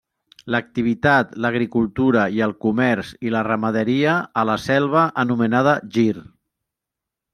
L'activitat l'agricultura i el comerç i la ramaderia a la selva anomenada Gir.